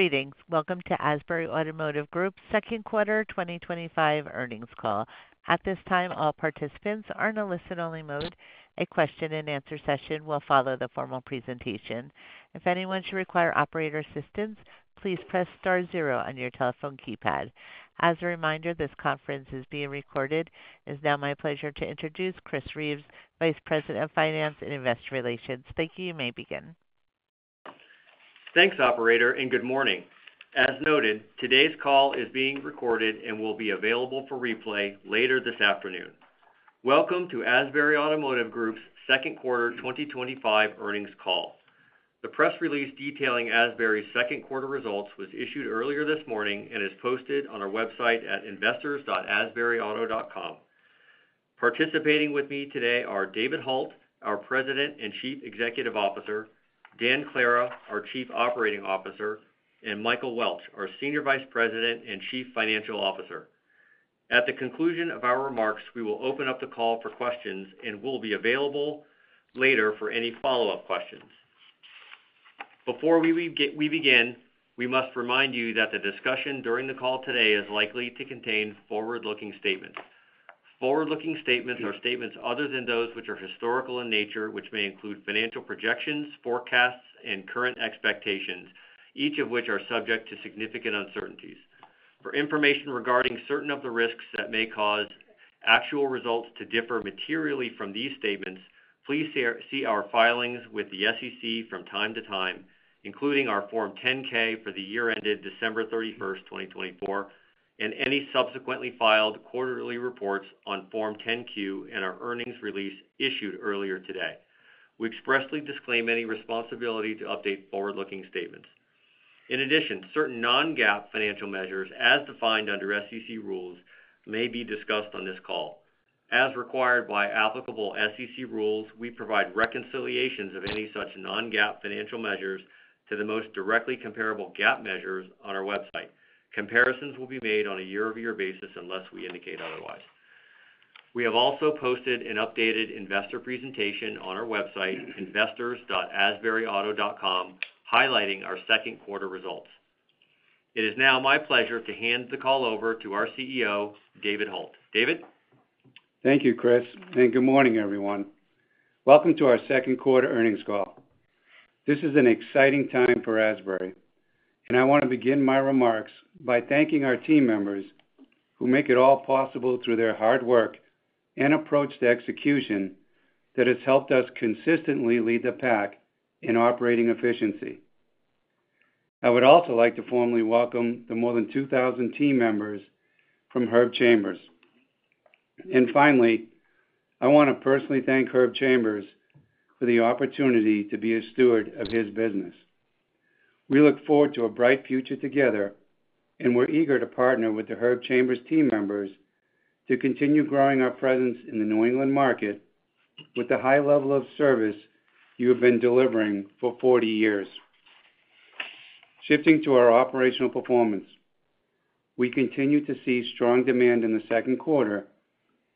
Greetings. Welcome to Asbury Automotive Group's second quarter 2025 earnings call. At this time, all participants are in a listen-only mode. A question and answer session will follow the formal presentation. If anyone should require operator assistance, please press star zero on your telephone keypad. As a reminder, this conference is being recorded. It is now my pleasure to introduce Chris Reeves, Vice President of Finance and Investor Relations. Thank you. You may begin. Thanks, Operator, and good morning. As noted, today's call is being recorded and will be available for replay later this afternoon. Welcome to Asbury Automotive Group's second quarter 2025 earnings call. The press release detailing Asbury's second quarter results was issued earlier this morning and is posted on our website at investors.asburyauto.com. Participating with me today are David Hult, our President and Chief Executive Officer; Dan Clara, our Chief Operating Officer; and Michael Welch, our Senior Vice President and Chief Financial Officer. At the conclusion of our remarks, we will open up the call for questions and will be available later for any follow-up questions. Before we begin, we must remind you that the discussion during the call today is likely to contain forward-looking statements. Forward-looking statements are statements other than those which are historical in nature, which may include financial projections, forecasts, and current expectations, each of which are subject to significant uncertainties. For information regarding certain of the risks that may cause actual results to differ materially from these statements, please see our filings with the SEC from time to time, including our Form 10-K for the year ended December 31, 2024, and any subsequently filed quarterly reports on Form 10-Q and our earnings release issued earlier today. We expressly disclaim any responsibility to update forward-looking statements. In addition, certain non-GAAP financial measures, as defined under SEC rules, may be discussed on this call. As required by applicable SEC rules, we provide reconciliations of any such non-GAAP financial measures to the most directly comparable GAAP measures on our website. Comparisons will be made on a year-over-year basis unless we indicate otherwise. We have also posted an updated investor presentation on our website, investors.asburyauto.com, highlighting our second quarter results. It is now my pleasure to hand the call over to our CEO, David Hult. David? Thank you, Chris, and good morning, everyone. Welcome to our second quarter earnings call. This is an exciting time for Asbury, and I want to begin my remarks by thanking our team members who make it all possible through their hard work and approach to execution that has helped us consistently lead the pack in operating efficiency. I would also like to formally welcome the more than 2,000 team members from Herb Chambers. I want to personally thank Herb Chambers for the opportunity to be a steward of his business. We look forward to a bright future together, and we're eager to partner with the Herb Chambers team members to continue growing our presence in the New England market with the high level of service you have been delivering for 40 years. Shifting to our operational performance, we continue to see strong demand in the second quarter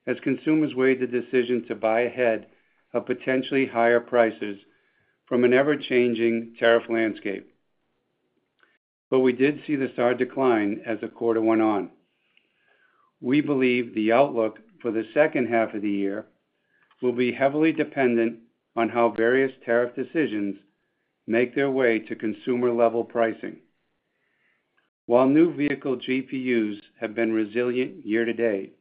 as consumers weighed the decision to buy ahead of potentially higher prices from an ever-changing tariff landscape. We did see this hard decline as the quarter went on. We believe the outlook for the second half of the year will be heavily dependent on how various tariff decisions make their way to consumer-level pricing. While new vehicle GPUs have been resilient year to date,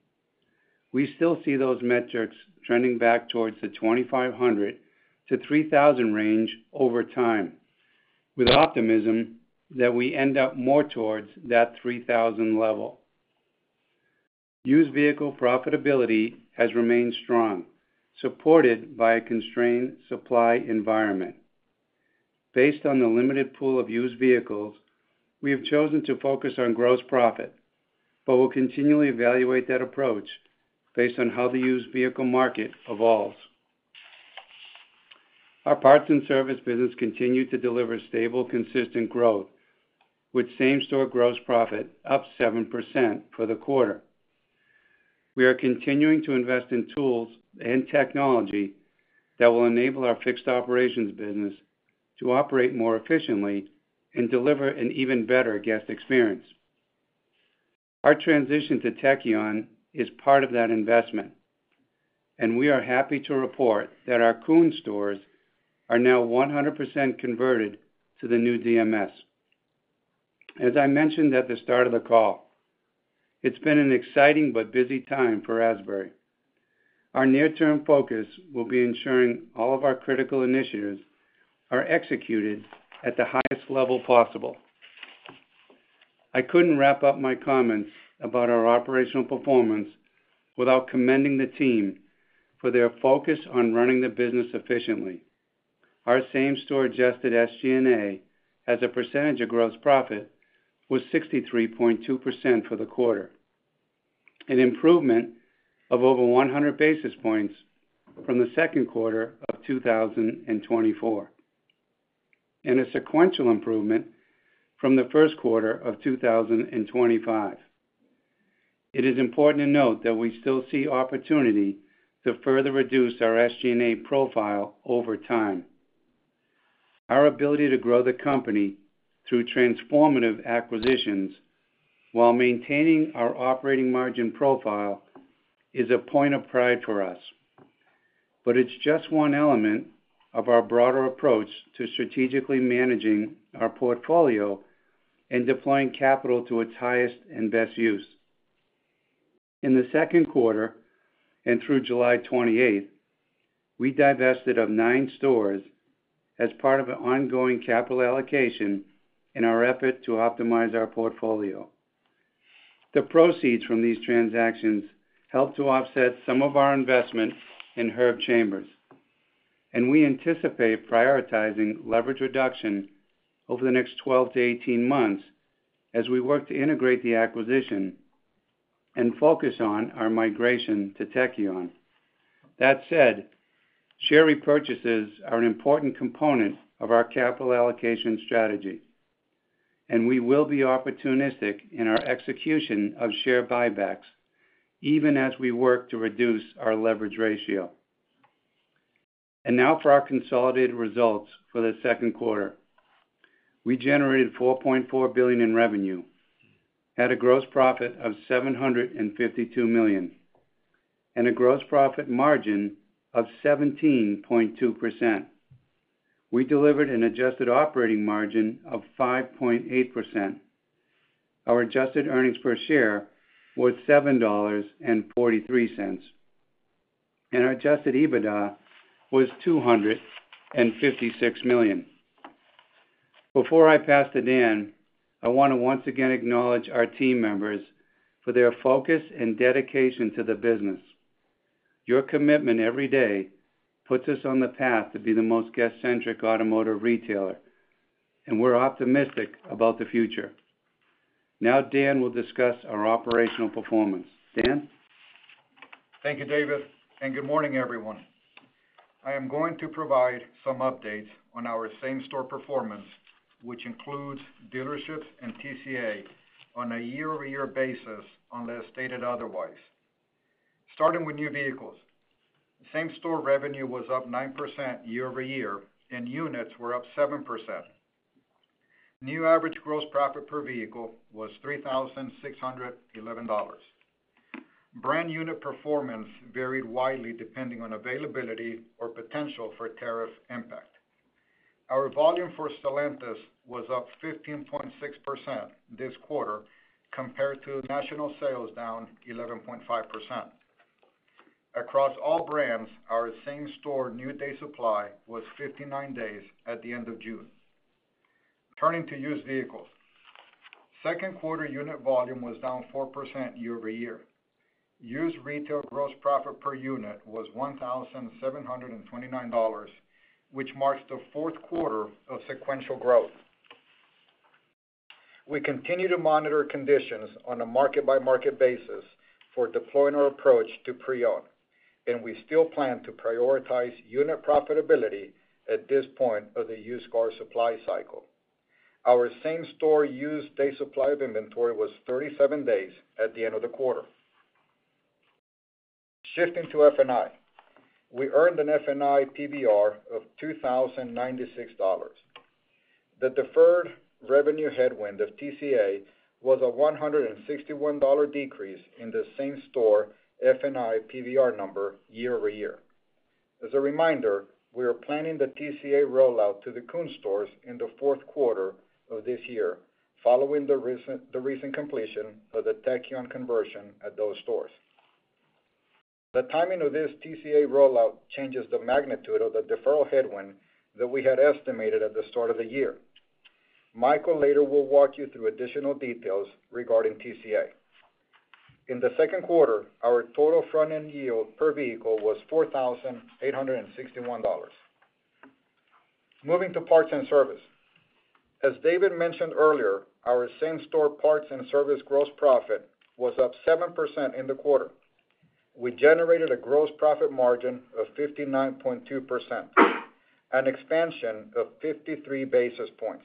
we still see those metrics trending back towards the $2,500-$3,000 range over time, with optimism that we end up more towards that $3,000 level. Used vehicle profitability has remained strong, supported by a constrained supply environment. Based on the limited pool of used vehicles, we have chosen to focus on gross profit, but will continually evaluate that approach based on how the used vehicle market evolves. Our parts and service business continued to deliver stable, consistent growth, with same-store gross profit up 7% for the quarter. We are continuing to invest in tools and technology that will enable our fixed operations business to operate more efficiently and deliver an even better guest experience. Our transition to Tekion is part of that investment, and we are happy to report that our Koons stores are now 100% converted to the new DMS. As I mentioned at the start of the call, it's been an exciting but busy time for Asbury. Our near-term focus will be ensuring all of our critical initiatives are executed at the highest level possible. I couldn't wrap up my comments about our operational performance without commending the team for their focus on running the business efficiently. Our same-store-adjusted SG&A as a percentage of gross profit was 63.2% for the quarter, an improvement of over 100 basis points from the second quarter of 2024, and a sequential improvement from the first quarter of 2025. It is important to note that we still see opportunity to further reduce our SG&A profile over time. Our ability to grow the company through transformative acquisitions while maintaining our operating margin profile is a point of pride for us, but it's just one element of our broader approach to strategically managing our portfolio and deploying capital to its highest and best use. In the second quarter and through July 28, we divested nine stores as part of an ongoing capital allocation in our effort to optimize our portfolio. The proceeds from these transactions help to offset some of our investment in Herb Chambers, and we anticipate prioritizing leverage reduction over the next 12-18 months as we work to integrate the acquisition and focus on our migration to Tekion. That said, share repurchases are an important component of our capital allocation strategy, and we will be opportunistic in our execution of share buybacks, even as we work to reduce our leverage ratio. Now for our consolidated results for the second quarter, we generated $4.4 billion in revenue, had a gross profit of $752 million, and a gross profit margin of 17.2%. We delivered an adjusted operating margin of 5.8%. Our adjusted earnings per share was $7.43, and our adjusted EBITDA was $256 million. Before I pass to Dan, I want to once again acknowledge our team members for their focus and dedication to the business. Your commitment every day puts us on the path to be the most guest-centric automotive retailer, and we're optimistic about the future. Now Dan will discuss our operational performance. Dan? Thank you, David, and good morning, everyone. I am going to provide some updates on our same-store performance, which includes dealerships and TCA on a year-over-year basis unless stated otherwise. Starting with new vehicles, the same-store revenue was up 9% year-over-year, and units were up 7%. New average gross profit per vehicle was $3,611. Brand unit performance varied widely depending on availability or potential for tariff impact. Our volume for Stellantis was up 15.6% this quarter compared to national sales down 11.5%. Across all brands, our same-store new-day supply was 59 days at the end of June. Turning to used vehicles, second quarter unit volume was down 4% year-over-year. Used retail gross profit per unit was $1,729, which marks the fourth quarter of sequential growth. We continue to monitor conditions on a market-by-market basis for deploying our approach to pre-owned, and we still plan to prioritize unit profitability at this point of the used car supply cycle. Our same-store used-day supply of inventory was 37 days at the end of the quarter. Shifting to F&I, we earned an F&I PBR of $2,096. The deferred revenue headwind of TCA was a $161 decrease in the same-store F&I PBR number year-over-year. As a reminder, we are planning the TCA rollout to the Koons stores in the fourth quarter of this year following the recent completion of the Tekion conversion at those stores. The timing of this TCA rollout changes the magnitude of the deferral headwind that we had estimated at the start of the year. Michael later will walk you through additional details regarding TCA. In the second quarter, our total front-end yield per vehicle was $4,861. Moving to parts and service, as David mentioned earlier, our same-store parts and service gross profit was up 7% in the quarter. We generated a gross profit margin of 59.2%, an expansion of 53 basis points.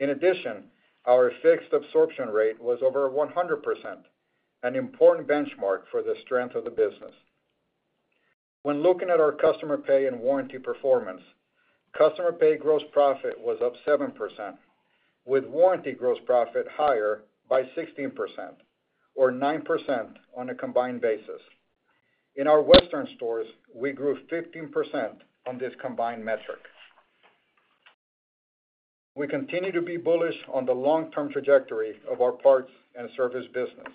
In addition, our fixed absorption rate was over 100%, an important benchmark for the strength of the business. When looking at our customer pay and warranty performance, customer pay gross profit was up 7%, with warranty gross profit higher by 16%, or 9% on a combined basis. In our Western stores, we grew 15% on this combined metric. We continue to be bullish on the long-term trajectory of our parts and service business.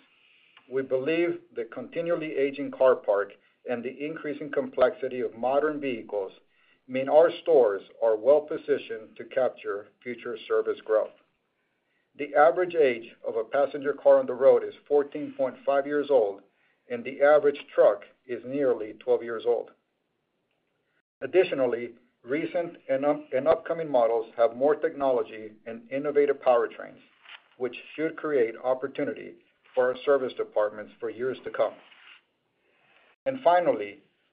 We believe the continually aging car park and the increasing complexity of modern vehicles mean our stores are well-positioned to capture future service growth. The average age of a passenger car on the road is 14.5 years old, and the average truck is nearly 12 years old. Additionally, recent and upcoming models have more technology and innovative powertrains, which should create opportunity for our service departments for years to come.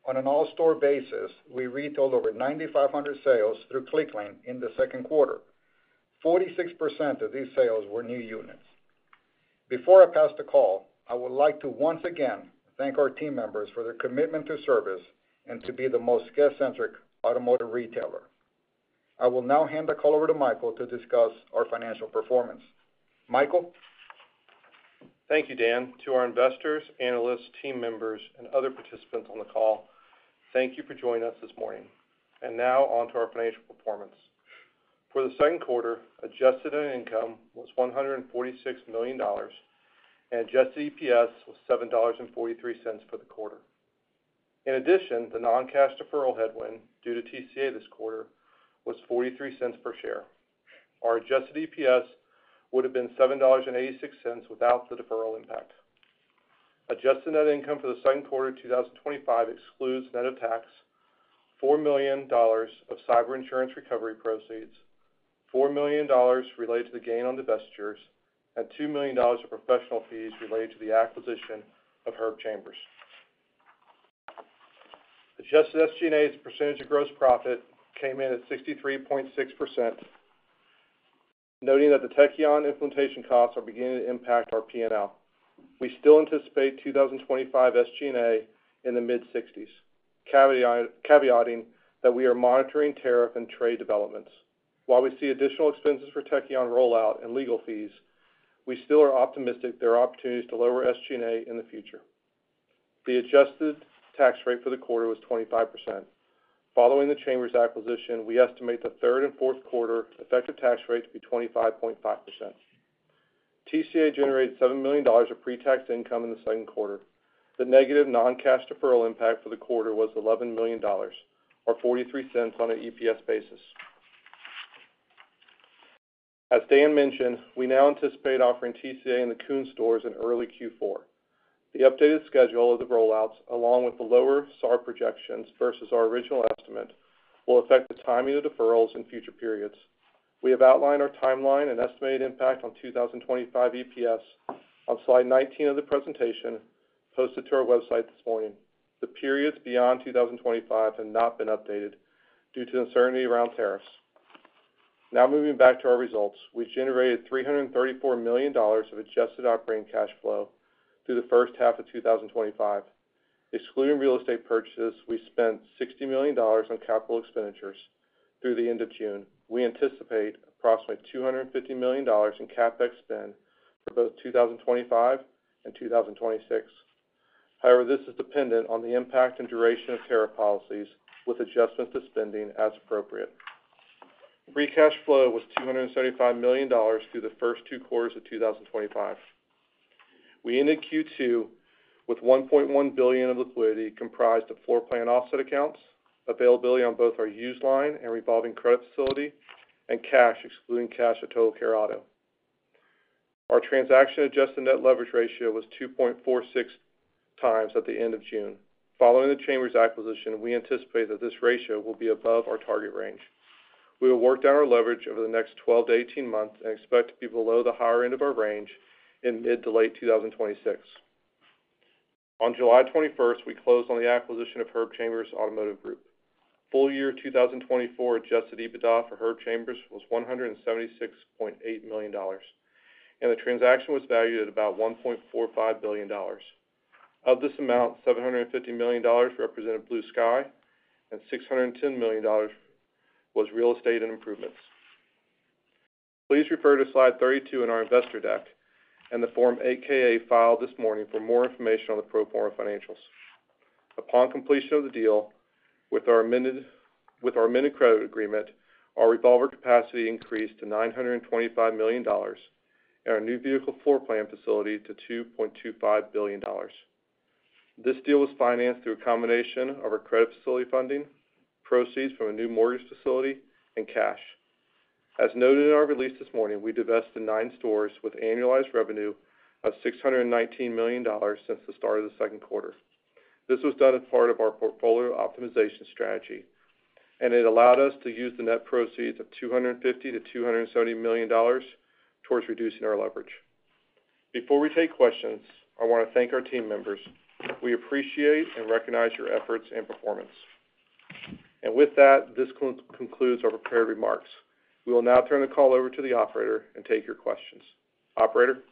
On an all-store basis, we retailed over 9,500 sales through Clicklane in the second quarter. 46% of these sales were new units. Before I pass the call, I would like to once again thank our team members for their commitment to service and to be the most guest-centric automotive retailer. I will now hand the call over to Michael to discuss our financial performance. Michael? Thank you, Dan. To our investors, analysts, team members, and other participants on the call, thank you for joining us this morning. Now on to our financial performance. For the second quarter, adjusted net income was $146 million, and adjusted EPS was $7.43 for the quarter. In addition, the non-cash deferral headwind due to TCA this quarter was $0.43 per share. Our adjusted EPS would have been $7.86 without the deferral impact. Adjusted net income for the second quarter of 2025 excludes, net of tax, $4 million of cyber insurance recovery proceeds, $4 million related to the gain on divestitures, and $2 million of professional fees related to the acquisition of Herb Chambers. Adjusted SG&A as a percentage of gross profit came in at 63.6%, noting that the Tekion implementation costs are beginning to impact our P&L. We still anticipate 2025 SG&A in the mid-60s, caveating that we are monitoring tariff and trade developments. While we see additional expenses for Tekion rollout and legal fees, we still are optimistic there are opportunities to lower SG&A in the future. The adjusted tax rate for the quarter was 25%. Following the Chambers acquisition, we estimate the third and fourth quarter effective tax rate to be 25.5%. TCA generated $7 million of pre-tax income in the second quarter. The negative non-cash deferral impact for the quarter was $11 million, or $0.43 on an EPS basis. As Dan mentioned, we now anticipate offering TCA in the Koons stores in early Q4. The updated schedule of the rollouts, along with the lower SAR projections versus our original estimate, will affect the timing of the deferrals in future periods. We have outlined our timeline and estimated impact on 2025 EPS on slide 19 of the presentation posted to our website this morning. The periods beyond 2025 have not been updated due to uncertainty around tariffs. Now moving back to our results, we generated $334 million of adjusted operating cash flow through the first half of 2025. Excluding real estate purchases, we spent $60 million on capital expenditures through the end of June. We anticipate approximately $250 million in CapEx spend for both 2025 and 2026. However, this is dependent on the impact and duration of tariff policies with adjustments to spending as appropriate. Free cash flow was $275 million through the first two quarters of 2025. We ended Q2 with $1.1 billion of liquidity comprised of floor plan offset accounts, availability on both our used line and revolving credit facility, and cash, excluding cash at Total Care Auto. Our transaction-adjusted net leverage ratio was 2.46x at the end of June. Following the Chambers acquisition, we anticipate that this ratio will be above our target range. We will work down our leverage over the next 12-18 months and expect to be below the higher end of our range in mid to late 2026. On July 21, we closed on the acquisition of Herb Chambers Automotive Group. Full-year 2024 adjusted EBITDA for Herb Chambers was $176.8 million, and the transaction was valued at about $1.45 billion. Of this amount, $750 million represented blue sky, and $610 million was real estate and improvements. Please refer to slide 32 in our investor deck and the Form 8-K filed this morning for more information on the pro forma financials. Upon completion of the deal with our amended credit agreement, our revolver capacity increased to $925 million and our new vehicle floor plan facility to $2.25 billion. This deal was financed through a combination of our credit facility funding, proceeds from a new mortgage facility, and cash. As noted in our release this morning, we divested nine stores with annualized revenue of $619 million since the start of the second quarter. This was done as part of our portfolio optimization strategy, and it allowed us to use the net proceeds of $250 million-$270 million towards reducing our leverage. Before we take questions, I want to thank our team members. We appreciate and recognize your efforts and performance. This concludes our prepared remarks. We will now turn the call over to the operator and take your questions. Operator?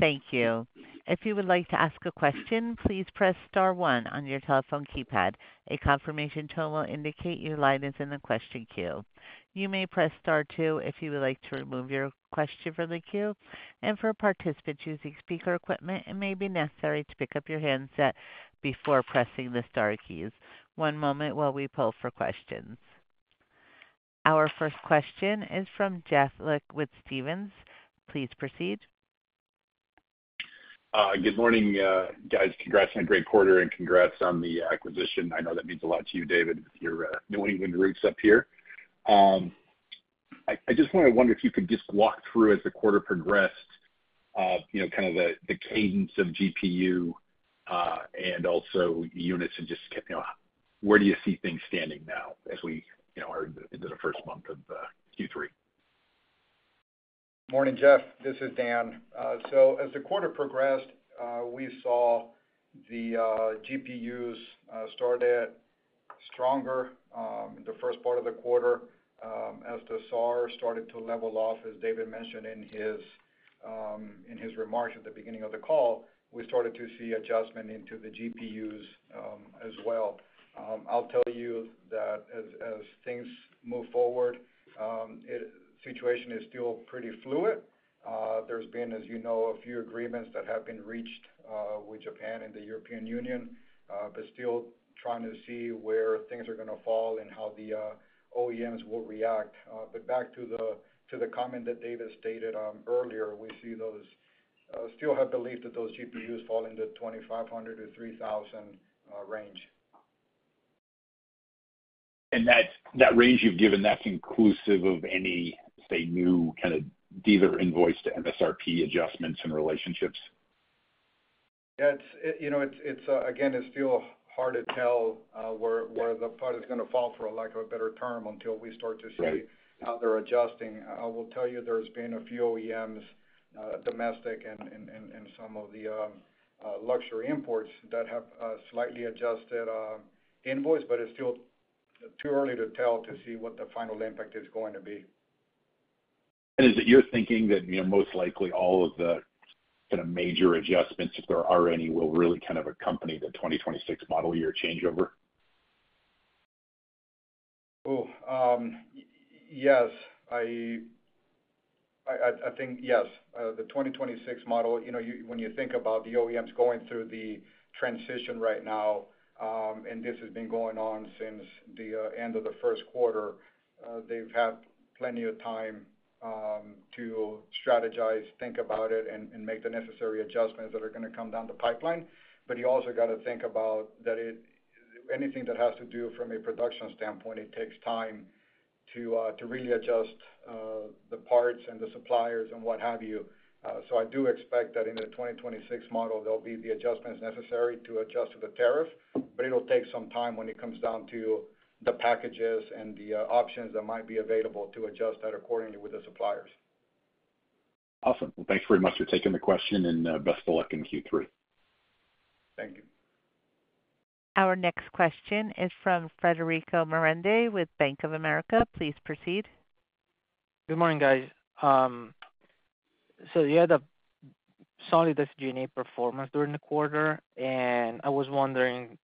Thank you. If you would like to ask a question, please press star one on your telephone keypad. A confirmation tone will indicate your line is in the question queue. You may press star two if you would like to remove your question from the queue. For participants using speaker equipment, it may be necessary to pick up your handset before pressing the star keys. One moment while we poll for questions. Our first question is from Jeff Lick with Stephens. Please proceed. Good morning, guys. Congrats on a great quarter and congrats on the acquisition. I know that means a lot to you, David, with your New England roots up here. I just want to wonder if you could just walk through, as the quarter progressed, the cadence of GPU and also units, and where do you see things standing now as we are into the first month of Q3? Morning, Jeff. This is Dan. As the quarter progressed, we saw the GPUs started stronger in the first part of the quarter as the SAR started to level off. As David mentioned in his remarks at the beginning of the call, we started to see adjustment into the GPUs as well. I'll tell you that as things move forward, the situation is still pretty fluid. There have been, as you know, a few agreements that have been reached with Japan and the European Union, still trying to see where things are going to fall and how the OEMs will react. Back to the comment that David stated earlier, we still have belief that those GPUs fall into the $2,500-$3,000 range. That range you've given, that's inclusive of any, say, new kind of dealer invoice to MSRP adjustments and relationships? Yeah, it's still hard to tell where the part is going to fall, for a lack of a better term, until we start to see how they're adjusting. I will tell you there's been a few OEMs, domestic and some of the luxury imports, that have slightly adjusted invoice, but it's still too early to tell to see what the final impact is going to be. Is it your thinking that most likely all of the kind of major adjustments, if there are any, will really kind of accompany the 2026 model year changeover? Yes, I think the 2026 model, you know, when you think about the OEMs going through the transition right now, and this has been going on since the end of the first quarter, they've had plenty of time to strategize, think about it, and make the necessary adjustments that are going to come down the pipeline. You also got to think about that anything that has to do from a production standpoint, it takes time to really adjust the parts and the suppliers and what have you. I do expect that in the 2026 model, there'll be the adjustments necessary to adjust to the tariff, but it'll take some time when it comes down to the packages and the options that might be available to adjust that accordingly with the suppliers. Awesome. Thanks very much for taking the question and best of luck in Q3. Thank you. Our next question is from Frederico Merendi with Bank of America. Please proceed. Good morning, guys. You had a solid SG&A performance during the quarter, and I was wondering,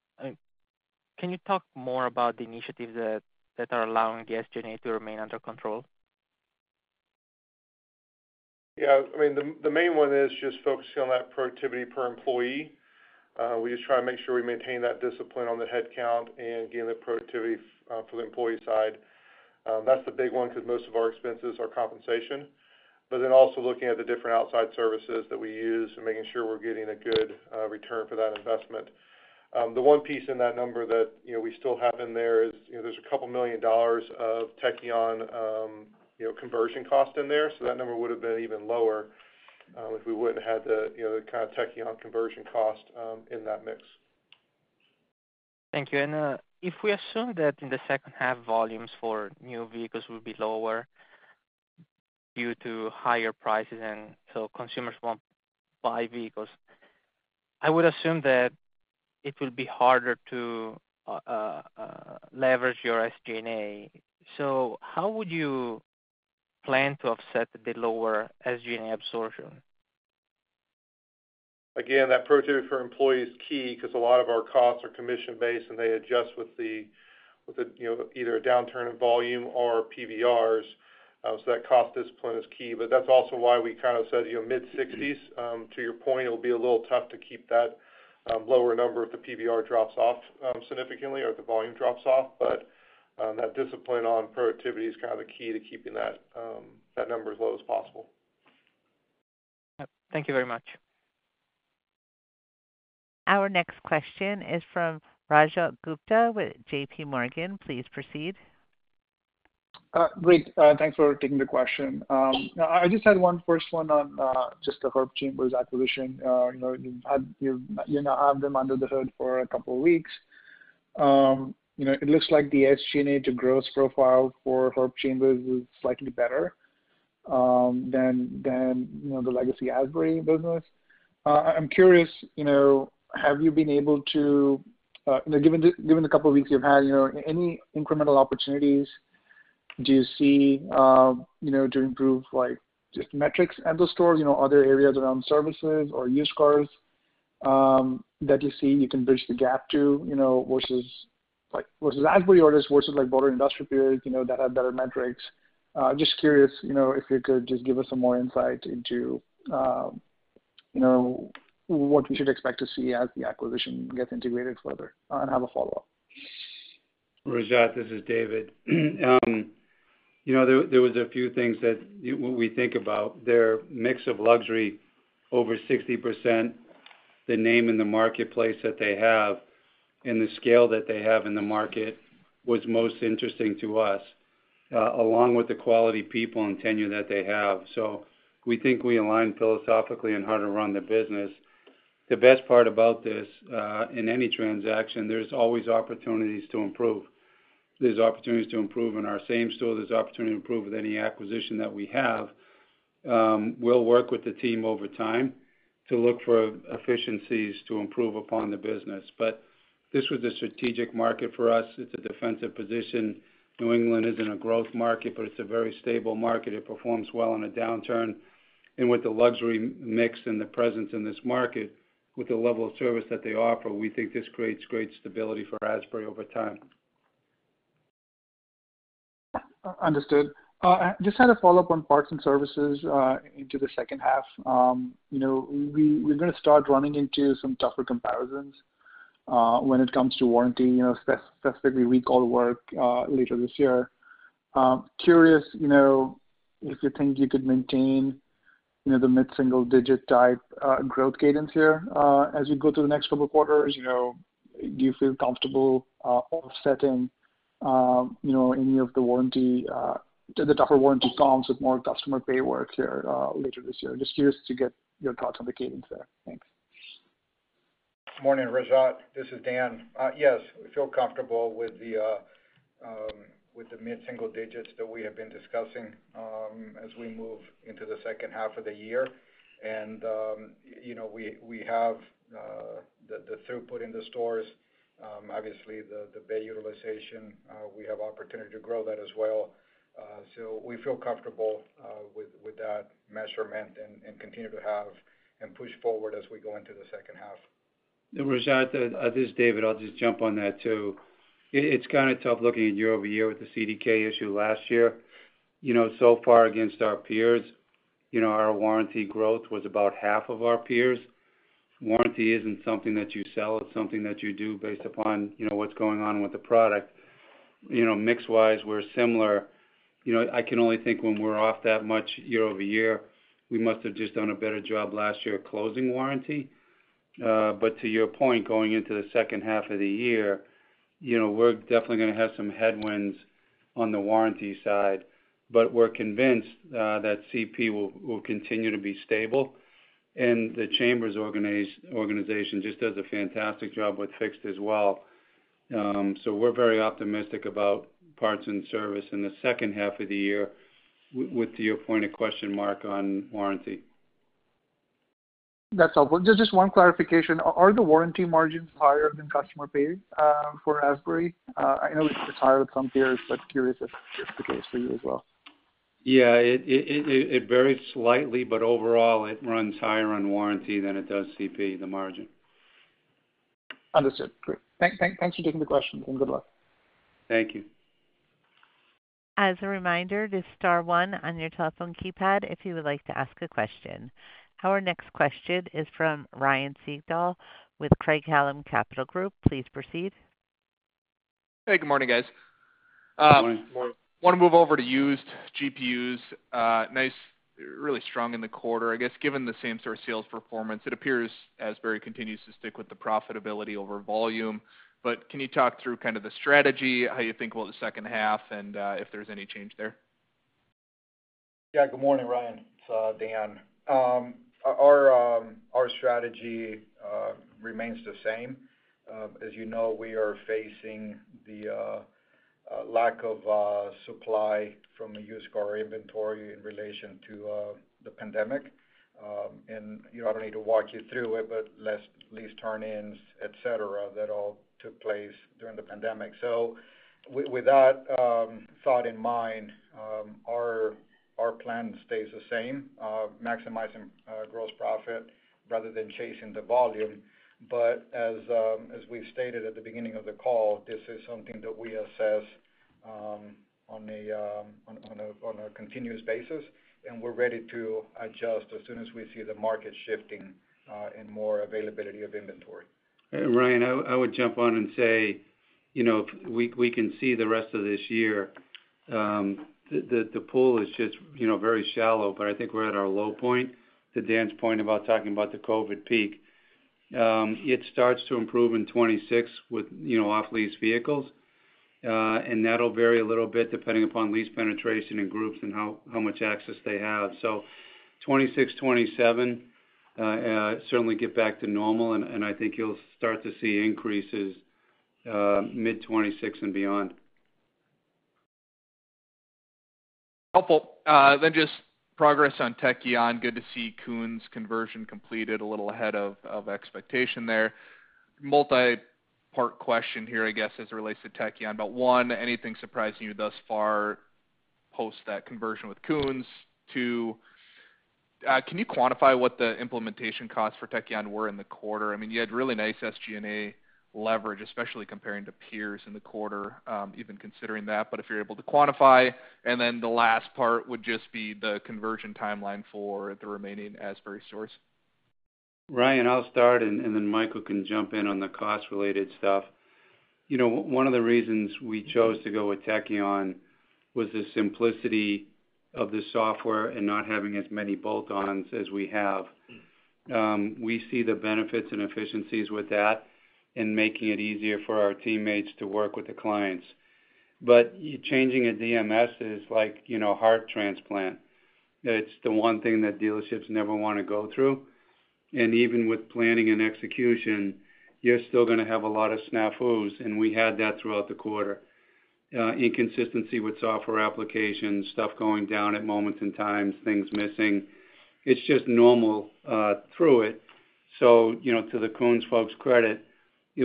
can you talk more about the initiatives that are allowing the SG&A to remain under control? Yeah, I mean, the main one is just focusing on that productivity per employee. We just try to make sure we maintain that discipline on the headcount and gain the productivity for the employee side. That's the big one because most of our expenses are compensation. Also, looking at the different outside services that we use and making sure we're getting a good return for that investment. The one piece in that number that we still have in there is, you know, there's a couple million dollars of Tekion conversion cost in there. That number would have been even lower if we wouldn't have had the kind of Tekion conversion cost in that mix. Thank you. If we assume that in the second half, volumes for new vehicles will be lower due to higher prices and consumers won't buy vehicles, I would assume that it will be harder to leverage your SG&A. How would you plan to offset the lower SG&A absorption? Again, that productivity for employees is key because a lot of our costs are commission-based and they adjust with either a downturn in volume or PVRs. That cost discipline is key. That's also why we kind of said, you know, mid-60s. To your point, it'll be a little tough to keep that lower number if the PVR drops off significantly or if the volume drops off. That discipline on productivity is kind of the key to keeping that number as low as possible. Thank you very much. Our next question is from Rajat Gupta with JP Morgan. Please proceed. Great. Thanks for taking the question. I just had one first one on just the Herb Chambers acquisition. You're not having them under the hood for a couple of weeks. It looks like the SG&A, the growth profile for Herb Chambers is slightly better than the legacy Asbury business. I'm curious, have you been able to, given the couple of weeks you've had, any incremental opportunities do you see to improve like just metrics at the stores? Other areas around services or used cars that you see you can bridge the gap to, versus like versus Asbury or just versus like Boulder Industrial Brewery, that have better metrics. Just curious if you could just give us some more insight into what we should expect to see as the acquisition gets integrated further and have a follow-up. Rajat, this is David. There was a few things that when we think about their mix of luxury, over 60%, the name in the marketplace that they have and the scale that they have in the market was most interesting to us, along with the quality people and tenure that they have. We think we align philosophically on how to run the business. The best part about this in any transaction, there's always opportunities to improve. There's opportunities to improve in our same store. There's opportunity to improve with any acquisition that we have. We'll work with the team over time to look for efficiencies to improve upon the business. This was a strategic market for us. It's a defensive position. New England isn't a growth market, but it's a very stable market. It performs well in a downturn. With the luxury mix and the presence in this market, with the level of service that they offer, we think this creates great stability for Asbury over time. Understood. I just had a follow-up on parts and service into the second half. We're going to start running into some tougher comparisons when it comes to warranty, specifically recall work later this year. Curious if you think you could maintain the mid-single-digit type growth cadence here as we go through the next couple of quarters. Do you feel comfortable offsetting any of the tougher warranty comps with more customer pay work later this year? Just curious to get your thoughts on the cadence there. Thanks. Morning, Rajat. This is Dan. Yes, we feel comfortable with the mid-single digits that we have been discussing as we move into the second half of the year. We have the throughput in the stores. Obviously, the bed utilization, we have opportunity to grow that as well. We feel comfortable with that measurement and continue to have and push forward as we go into the second half. Rajat, this is David. I'll just jump on that too. It's kind of tough looking at year-over-year with the CDK issue last year. So far against our peers, our warranty growth was about half of our peers. Warranty isn't something that you sell. It's something that you do based upon what's going on with the product. Mix-wise, we're similar. I can only think when we're off that much year-over-year, we must have just done a better job last year closing warranty. To your point, going into the second half of the year, we're definitely going to have some headwinds on the warranty side. We're convinced that CP will continue to be stable. The Chambers organization just does a fantastic job with fixed as well. We are very optimistic about parts and service in the second half of the year with your pointed question mark on warranty. That's helpful. Just one clarification. Are the warranty margins higher than customer pay for Asbury? I know it's higher with some peers, but curious if it's the case for you as well. Yeah, it varies slightly, but overall, it runs higher on warranty than it does CP, the margin. Understood. Great. Thanks for taking the question and good luck. Thank you. As a reminder, just star one on your telephone keypad if you would like to ask a question. Our next question is from Ryan Sigdahl with Craig Hallum. Please proceed. Hey, good morning, guys. Good morning. Good morning. I want to move over to used vehicles. Nice, really strong in the quarter. I guess given the same-store sales performance, it appears Asbury continues to stick with the profitability over volume. Can you talk through kind of the strategy, how you think about the second half, and if there's any change there? Yeah, good morning, Ryan. It's Dan. Our strategy remains the same. As you know, we are facing the lack of supply from a used car inventory in relation to the pandemic. I don't need to walk you through it, but less lease turn-ins, etc., that all took place during the pandemic. With that thought in mind, our plan stays the same, maximizing gross profit rather than chasing the volume. As we've stated at the beginning of the call, this is something that we assess on a continuous basis. We're ready to adjust as soon as we see the market shifting in more availability of inventory. Ryan, I would jump on and say we can see the rest of this year. The pool is just very shallow, but I think we're at our low point. To Dan's point about talking about the COVID peak, it starts to improve in 2026 with off-lease vehicles. That'll vary a little bit depending upon lease penetration and groups and how much access they have. 2026, 2027 certainly get back to normal. I think you'll start to see increases mid-2026 and beyond. Helpful. Just progress on Tekion. Good to see Koons' conversion completed a little ahead of expectation there. Multi-part question here, I guess, as it relates to Tekion. One, anything surprising you thus far post that conversion with Koons? Two, can you quantify what the implementation costs for Tekion were in the quarter? You had really nice SG&A leverage, especially comparing to peers in the quarter, even considering that. If you're able to quantify, the last part would just be the conversion timeline for the remaining Asbury stores. Ryan, I'll start, and then Michael can jump in on the cost-related stuff. One of the reasons we chose to go with Tekion was the simplicity of the software and not having as many bolt-ons as we have. We see the benefits and efficiencies with that and making it easier for our teammates to work with the clients. Changing a DMS is like, you know, a heart transplant. It's the one thing that dealerships never want to go through. Even with planning and execution, you're still going to have a lot of snafus, and we had that throughout the quarter. Inconsistency with software applications, stuff going down at moments in time, things missing. It's just normal through it. To the Koons folks' credit, it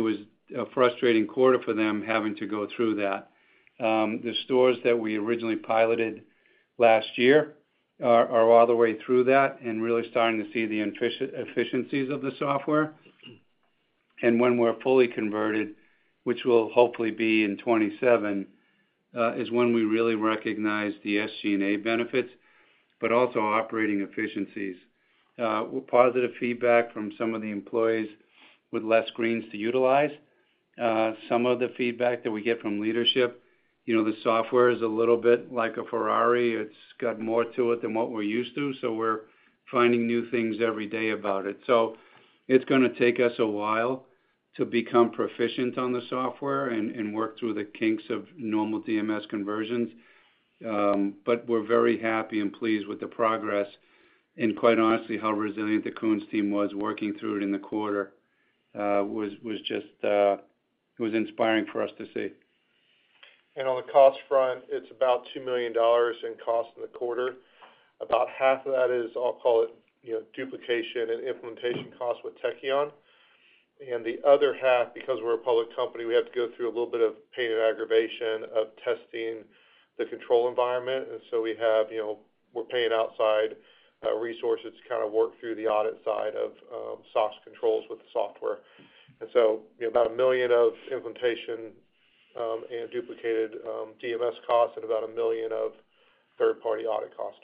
was a frustrating quarter for them having to go through that. The stores that we originally piloted last year are all the way through that and really starting to see the efficiencies of the software. When we're fully converted, which will hopefully be in 2027, is when we really recognize the SG&A benefits, but also operating efficiencies. Positive feedback from some of the employees with fewer screens to utilize. Some of the feedback that we get from leadership, the software is a little bit like a Ferrari. It's got more to it than what we're used to. We're finding new things every day about it. It's going to take us a while to become proficient on the software and work through the kinks of normal DMS conversions. We're very happy and pleased with the progress. Quite honestly, how resilient the Koons team was working through it in the quarter was just, it was inspiring for us to see. On the cost front, it's about $2 million in cost in the quarter. About half of that is, I'll call it, you know, duplication and implementation costs with Tekion. The other half, because we're a public company, we have to go through a little bit of pain and aggravation of testing the control environment. We have, you know, we're paying outside resources to kind of work through the audit side of SOC controls with the software. About $1 million of implementation and duplicated DMS costs and about $1 million of third-party audit costs.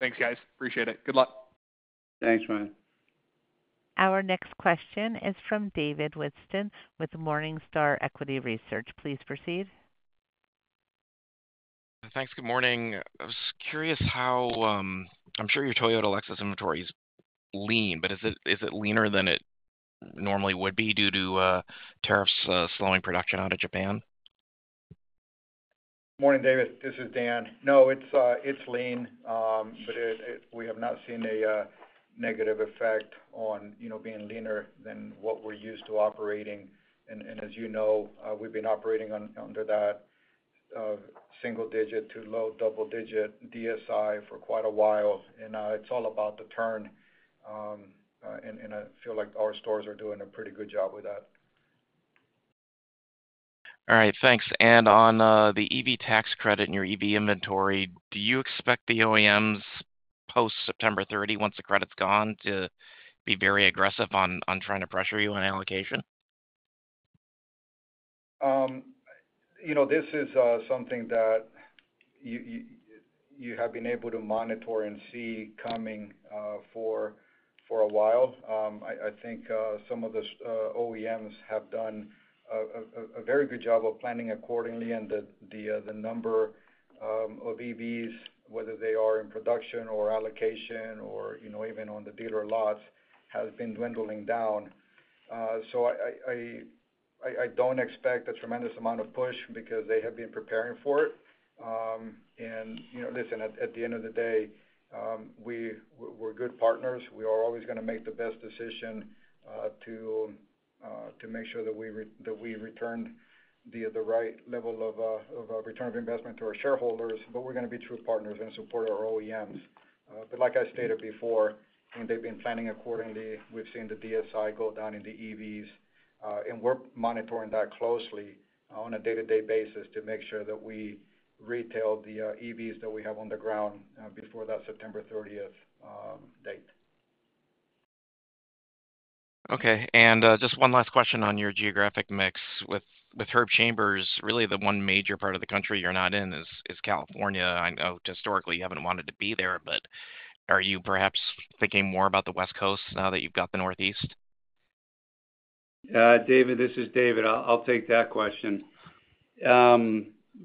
Thanks, guys. Appreciate it. Good luck. Thanks, Ryan. Our next question is from David Whiston with Morningstar Equity Research. Please proceed. Thanks. Good morning. I was curious how, I'm sure your Toyota Lexus inventory is lean, but is it leaner than it normally would be due to tariffs slowing production out of Japan? Morning, David. This is Dan. No, it's lean, but we have not seen a negative effect on, you know, being leaner than what we're used to operating. As you know, we've been operating under that single-digit to low double-digit DSI for quite a while. It's all about the turn. I feel like our stores are doing a pretty good job with that. Thank you. On the EV tax credit and your EV inventory, do you expect the OEMs post-September 30, once the credit's gone, to be very aggressive on trying to pressure you on allocation? This is something that you have been able to monitor and see coming for a while. I think some of the OEMs have done a very good job of planning accordingly, and the number of EVs, whether they are in production or allocation or even on the dealer lots, has been dwindling down. I don't expect a tremendous amount of push because they have been preparing for it. At the end of the day, we're good partners. We are always going to make the best decision to make sure that we return the right level of return of investment to our shareholders. We're going to be true partners and support our OEMs. Like I stated before, and they've been planning accordingly, we've seen the DSI go down in the EVs. We're monitoring that closely on a day-to-day basis to make sure that we retail the EVs that we have on the ground before that September 30, 2023 date. Okay. Just one last question on your geographic mix with Herb Chambers. Really, the one major part of the country you're not in is California. I know historically you haven't wanted to be there, but are you perhaps thinking more about the West Coast now that you've got the Northeast? David, this is David. I'll take that question.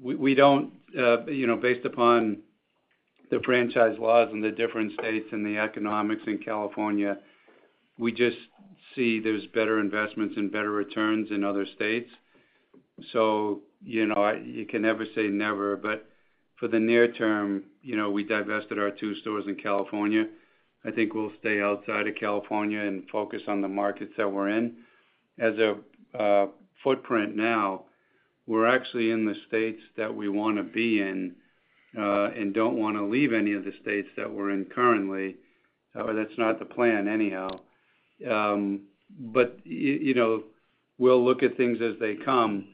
We don't, you know, based upon the franchise laws in the different states and the economics in California, we just see there's better investments and better returns in other states. You can never say never, but for the near term, we divested our two stores in California. I think we'll stay outside of California and focus on the markets that we're in. As a footprint now, we're actually in the states that we want to be in and don't want to leave any of the states that we're in currently. That's not the plan anyhow. We'll look at things as they come.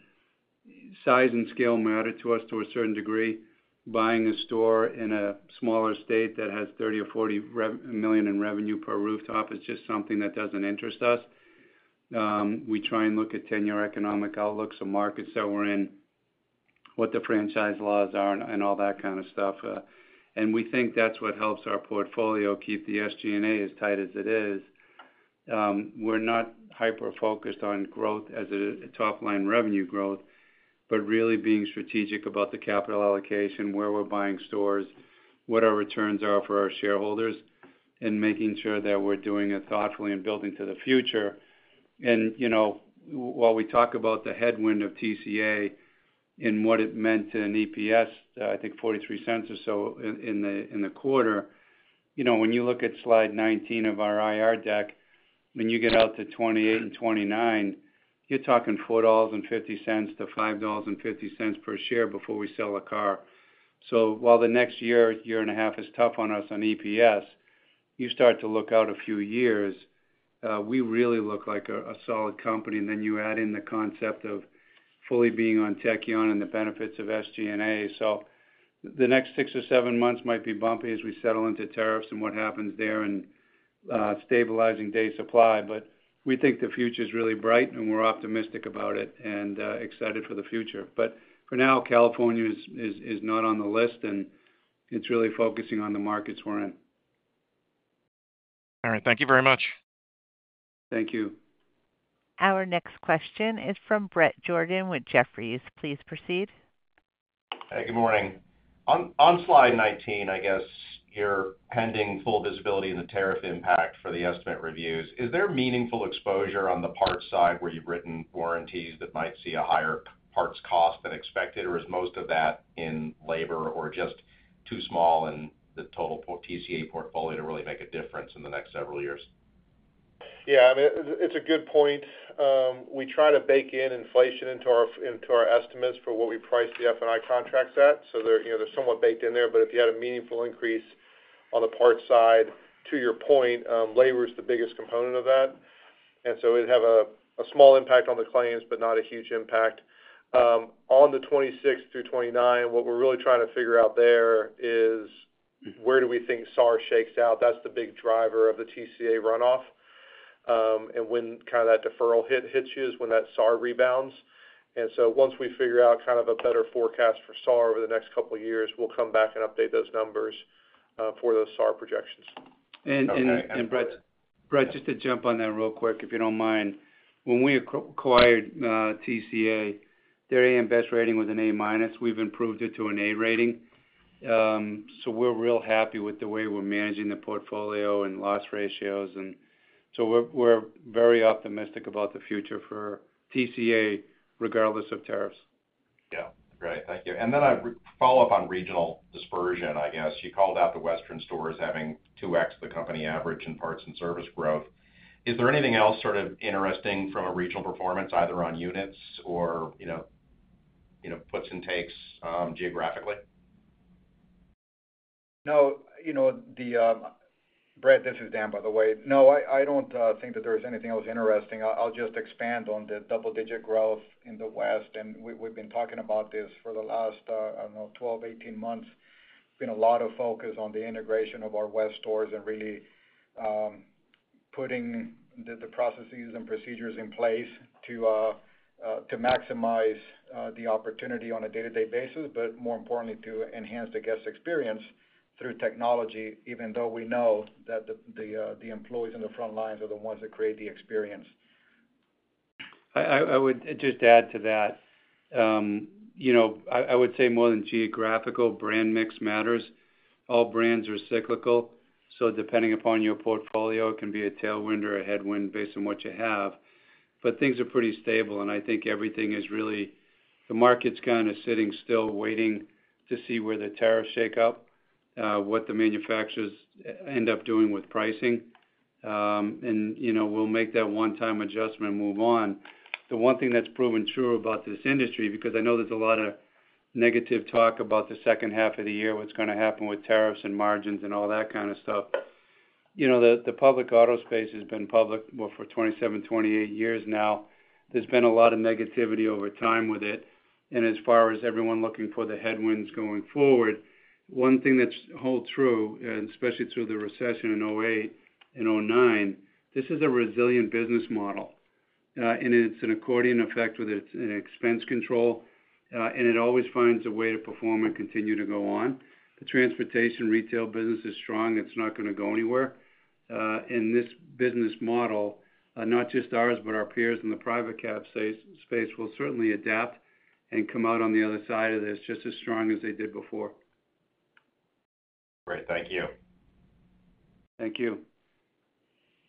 Size and scale matter to us to a certain degree. Buying a store in a smaller state that has $30 million or $40 million in revenue per rooftop is just something that doesn't interest us. We try and look at 10-year economic outlooks of markets that we're in, what the franchise laws are, and all that kind of stuff. We think that's what helps our portfolio keep the SG&A as tight as it is. We're not hyper-focused on growth as a top-line revenue growth, but really being strategic about the capital allocation, where we're buying stores, what our returns are for our shareholders, and making sure that we're doing it thoughtfully and building to the future. While we talk about the headwind of TCA and what it meant to an EPS, I think $0.43 or so in the quarter, when you look at slide 19 of our IR deck, when you get out to 2028 and 2029, you're talking $4.50-$5.50 per share before we sell a car. While the next year, year and a half is tough on us on EPS, you start to look out a few years. We really look like a solid company. You add in the concept of fully being on Tekion and the benefits of SG&A. The next six or seven months might be bumpy as we settle into tariffs and what happens there and stabilizing day supply. We think the future is really bright and we're optimistic about it and excited for the future. For now, California is not on the list and it's really focusing on the markets we're in. All right. Thank you very much. Thank you. Our next question is from Bret Jordan with Jefferies. Please proceed. Hey, good morning. On slide 19, I guess you're pending full visibility in the tariff impact for the estimate reviews. Is there meaningful exposure on the parts side where you've written warranties that might see a higher parts cost than expected, or is most of that in labor or just too small in the total TCA portfolio to really make a difference in the next several years? Yeah, I mean, it's a good point. We try to bake in inflation into our estimates for what we price the F&I contracts at, so they're somewhat baked in there. If you had a meaningful increase on the parts side, to your point, labor is the biggest component of that, and it'd have a small impact on the claims, but not a huge impact. On the 2026 through 2029, what we're really trying to figure out there is where do we think SAR shakes out. That's the big driver of the TCA runoff. When that deferral hit hits you is when that SAR rebounds. Once we figure out a better forecast for SAR over the next couple of years, we'll come back and update those numbers for those SAR projections. Brett, just to jump on that real quick, if you don't mind, when we acquired TCA, their AMS rating was an A minus. We've improved it to an A rating. We're real happy with the way we're managing the portfolio and loss ratios, and we're very optimistic about the future for TCA regardless of tariffs. Great. Thank you. A follow-up on regional dispersion, I guess. You called out the Western stores having 2X the company average in parts and service growth. Is there anything else interesting from a regional performance, either on units or, you know, puts and takes geographically? No. You know, Brett, this is Dan by the way. No, I don't think that there is anything else interesting. I'll just expand on the double-digit growth in the West. We've been talking about this for the last, I don't know, 12, 18 months. There's been a lot of focus on the integration of our West stores and really putting the processes and procedures in place to maximize the opportunity on a day-to-day basis, but more importantly, to enhance the guest experience through technology, even though we know that the employees on the front lines are the ones that create the experience. I would just add to that. I would say more than geographical, brand mix matters. All brands are cyclical. Depending upon your portfolio, it can be a tailwind or a headwind based on what you have. Things are pretty stable. I think everything is really, the market's kind of sitting still waiting to see where the tariffs shake up, what the manufacturers end up doing with pricing. We'll make that one-time adjustment and move on. The one thing that's proven true about this industry, because I know there's a lot of negative talk about the second half of the year, what's going to happen with tariffs and margins and all that kind of stuff. The public auto space has been public for 27, 28 years now. There's been a lot of negativity over time with it. As far as everyone looking for the headwinds going forward, one thing that's held true, and especially through the recession in 2008 and 2009, this is a resilient business model. It's an accordion effect with its expense control. It always finds a way to perform and continue to go on. The transportation retail business is strong. It's not going to go anywhere. This business model, not just ours, but our peers in the private cap space, will certainly adapt and come out on the other side of this just as strong as they did before. Great. Thank you. Thank you.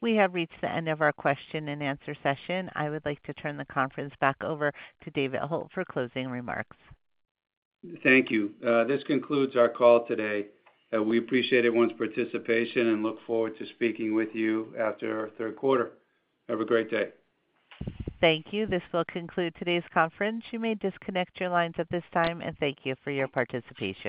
We have reached the end of our question and answer session. I would like to turn the conference back over to David Hult for closing remarks. Thank you. This concludes our call today. We appreciate everyone's participation and look forward to speaking with you after our third quarter. Have a great day. Thank you. This will conclude today's conference. You may disconnect your lines at this time, and thank you for your participation.